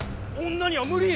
女には無理！